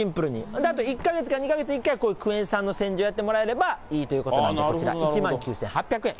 あと１か月か２か月に１回、こういうクエン酸の洗浄をやってもらえればいいということなんで、こちら、１万９８００円。